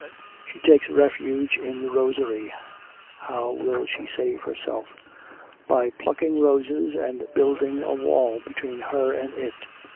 She takes refuge in the rosery. How will she save herself? By plucking roses and building a. wall between her and it.